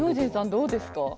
どうですか？